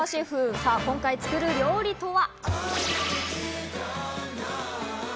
さぁ今回作る料理とは。